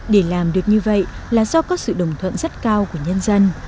để làm được như vậy là do có sự đồng thuận rất cao của nhân dân